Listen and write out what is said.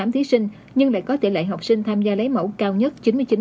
chín trăm sáu mươi tám thí sinh nhưng lại có tỷ lệ học sinh tham gia lấy mẫu cao nhất